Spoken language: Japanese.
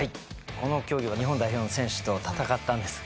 この競技は日本代表の選手と戦ったんですが。